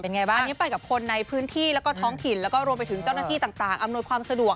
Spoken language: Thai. อันนี้ไปกับคนในพื้นที่แล้วก็ท้องถิ่นแล้วก็รวมไปถึงเจ้าหน้าที่ต่างอำนวยความสะดวก